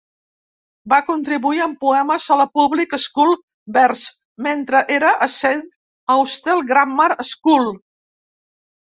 Va contribuir amb poemes a "Public School Verse", mentre era a Saint Austell Grammar School.